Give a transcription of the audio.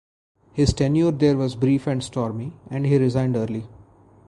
His tenure there was brief and stormy and he resigned early.